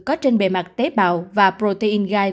có trên bề mặt tế bào và protein gai